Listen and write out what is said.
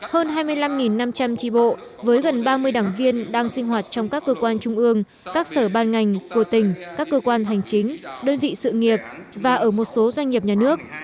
hơn hai mươi năm năm trăm linh tri bộ với gần ba mươi đảng viên đang sinh hoạt trong các cơ quan trung ương các sở ban ngành của tỉnh các cơ quan hành chính đơn vị sự nghiệp và ở một số doanh nghiệp nhà nước